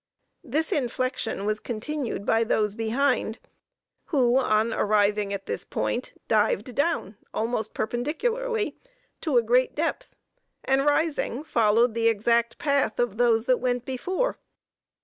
This inflection was continued by those behind, who, on arriving at this point, dived down, almost perpendicularly, to a great depth, and rising, followed the exact path of those that went before.